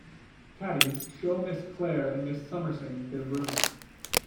Caddy, show Miss Clare and Miss Summerson their rooms.